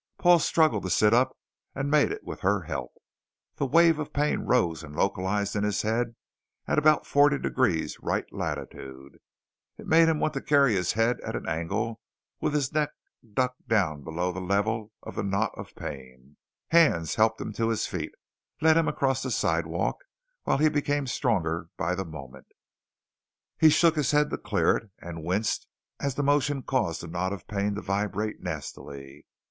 Paul struggled to sit up and made it with her help. The wave of pain rose and localized in his head at about forty degrees right latitude. It made him want to carry his head at an angle with his neck ducked down below the level of the knot of pain. Hands helped him to his feet, led him across the sidewalk while he became stronger by the moment. He shook his head to clear it and winced as the motion caused the knot of pain to vibrate nastily.